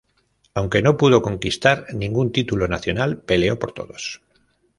Aunque no pudo conquistar ningún título nacional, peleó por todos.